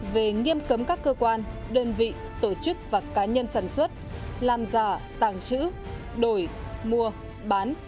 về nghiêm cấm các cơ quan đơn vị tổ chức và cá nhân sản xuất làm giả tàng trữ đổi mua bán